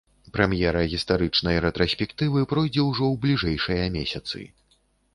Прэм'ера гістарычнай рэтраспектывы пройдзе ўжо ў бліжэйшыя месяцы.